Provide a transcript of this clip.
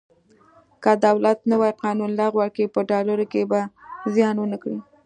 که دولت نوی قانون لغوه کړي په ډالرو کې به زیان ونه کړي.